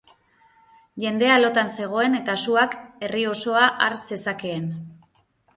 Jendea lotan zegoen eta suak herri osoa har zezakeen.